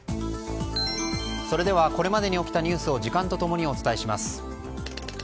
これまでに起きたニュースを時間と共にお伝えします。